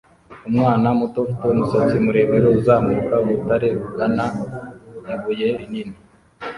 Umwana muto ufite umusatsi muremure uzamuka urutare rugana ibuye rinini